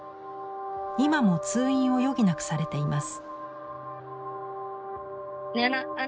今も通院を余儀なくされています。